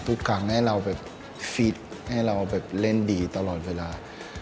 ทุกกลางให้เราฟิตให้เราเล่นดีตลอดเวลา